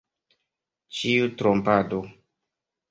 Ĉiu trompado!